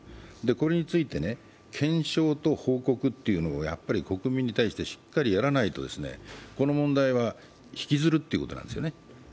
これについて検証と報告っていうのを国民に対してしっかりやらないと、この問題は引きずるってことなんですよね。